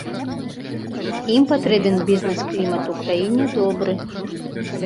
Ім патрэбен бізнес-клімат у краіне добры.